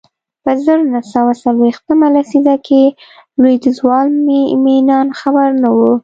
په زر نه سوه څلویښتمه لسیزه کې لوېدیځوال مینان خبر نه و